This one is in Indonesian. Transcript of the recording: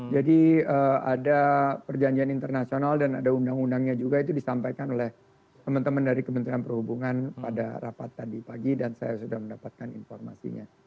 jadi ada perjanjian internasional dan ada undang undangnya juga itu disampaikan oleh teman teman dari kementerian perhubungan pada rapat tadi pagi dan saya sudah mendapatkan informasinya